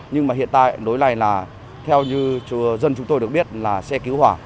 nhưng mà hiện tại lối này là theo như dân chúng tôi được biết là xe cứu hỏa